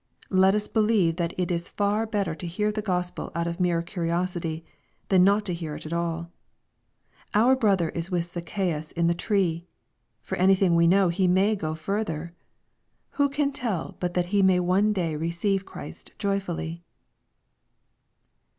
Let us believe that it is far bet ter to hear the Gospel out of mere curiosity, than not to hear it at all. Our brother is with Zacchasus in the tree ! For anything we know he may go further. Who can tell but that he may one day receive Christ joyfully